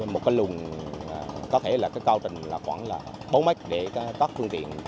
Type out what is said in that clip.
một cái luồng có thể là cái cao trình khoảng là bốn mếch để các phương tiện